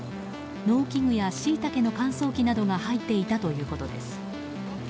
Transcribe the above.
農機具やシイタケの乾燥機などが入っていたということです。